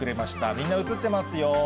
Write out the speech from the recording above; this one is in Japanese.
みんな映ってますよ。